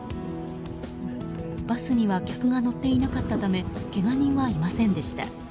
バスには客が乗っていなかったためけが人はいませんでした。